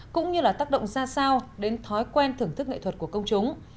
cũng như là tác động ra sao đến thói quen thưởng thức nghệ thuật của công chúng